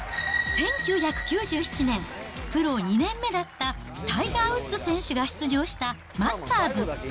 １９９７年、プロ２年目だったタイガー・ウッズ選手が出場したマスターズ。